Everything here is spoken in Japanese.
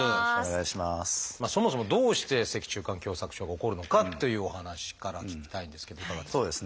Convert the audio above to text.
そもそもどうして脊柱管狭窄症が起こるのかっていうお話から聞きたいんですけどいかがですか？